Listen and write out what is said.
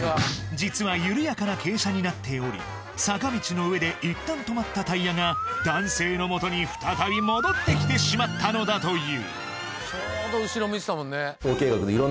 実は緩やかな傾斜になっており坂道の上でいったん止まったタイヤが男性のもとに再び戻ってきてしまったのだというあ